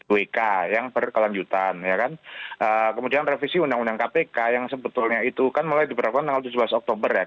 wk yang berkelanjutan ya kan kemudian revisi undang undang kpk yang sebetulnya itu kan mulai diberlakukan tanggal tujuh belas oktober ya